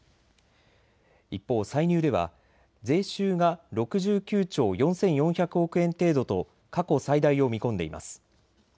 一方、歳入では税収が６９兆４４００億円程度と過去最大を見込んでいます。